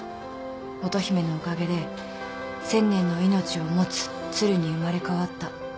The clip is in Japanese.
乙姫のおかげで１，０００年の命を持つ鶴に生まれ変わった。